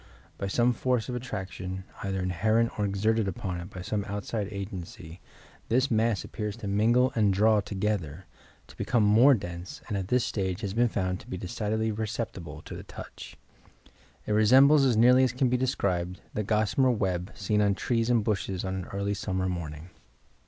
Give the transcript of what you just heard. By some force of attraction, either inherent or exerted upon it by some outside agency, this mass appears to mingle and draw together, to become more dense and at this stage has been found to be decidedly perceptible to the touch. It resembles as nearly as can be described the gossamer web, seen on trees and bushes on an early summer morning."